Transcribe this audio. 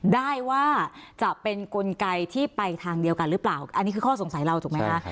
ได้ว่าจะเป็นกลไกที่ไปทางเดียวกันหรือเปล่าอันนี้คือข้อสงสัยเราถูกไหมคะ